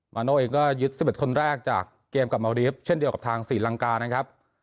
มาโน่เองก็ยึด๑๑คนแรกจากเกมกับเมารีฟเช่นเดียวกับทางศรีลังกานะครับ